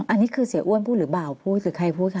อันนี้คือเสียอ้วนพูดหรือเปล่าพูดหรือใครพูดคะ